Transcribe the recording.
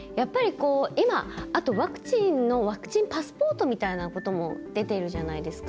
今ワクチンパスポートみたいなことも出てるじゃないですか。